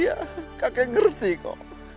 iya kakek ngerti kok